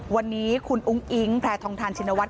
วันนี้คุณอุ้งอิ๊งแพรทองทานชินวัฒ